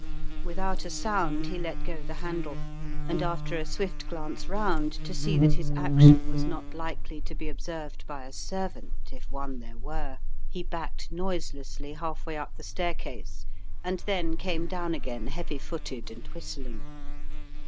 Without a sound, he let go the handle, and after a swift glance round to see that his action was not likely to be observed by a servant if one there were^ 1»« The Riddle of the Purple Emperor he backed noiselessly half way up the staircase and then came down again, heavy footed and whistling.